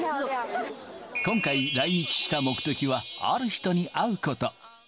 今回、来日した目的は、ある人に会うこと。